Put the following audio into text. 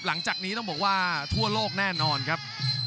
หลังจากนี้ต้องบอกว่าทั่วโลกแน่นอนครับ